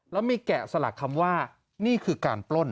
แล้วมีแกะสลักคำว่านี่คือการปล้น